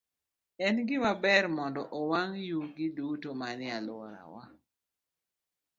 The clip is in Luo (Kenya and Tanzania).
En gima ber mondo owang' yugi duto manie alworawa.